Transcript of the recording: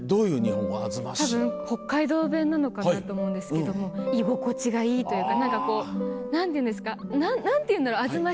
多分北海道弁なのかなと思うんですけども「居心地がいい」というか何ていうんですか何ていうんだろう「あずましい」